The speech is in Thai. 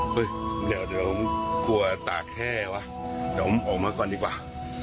เฮ้ยเดี๋ยวผมกลัวตากแห้วะเดี๋ยวผมออกมาก่อนดีกว่า